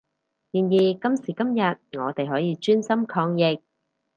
然而今時今日我哋可以專心抗疫